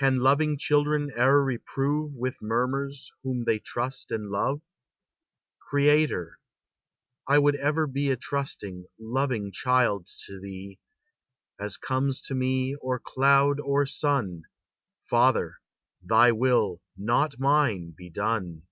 Can loving children e'er reprove With murmurs whom they trust and love? Creator, I would ever be A trusting, loving child to thee: As comes to me or cloud or sun, Father, thy will, not mine, be done!